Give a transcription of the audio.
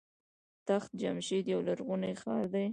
تخت جمشید یو لرغونی ښار دی.